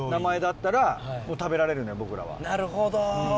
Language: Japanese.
なるほど！